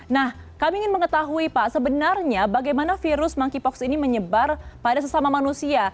nah kami ingin mengetahui pak sebenarnya bagaimana virus monkeypox ini menyebar pada sesama manusia